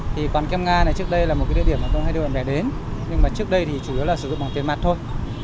thì quán kem nga này trước đây là một cái địa điểm mà tôi hay đưa bạn bè đến nhưng mà trước đây thì chủ yếu là sử dụng bằng tiền mặt thôi